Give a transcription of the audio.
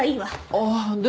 あっでも。